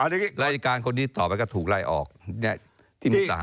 รายการคนนี้ต่อไปก็ถูกไล่ออกที่มีตาหาร